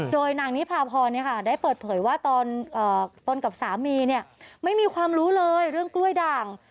โดยนางนิพาพรได้เปิดเผยว่าตอนตนกับสามีไม่มีความรู้เลยเรื่องกล้วยด่าง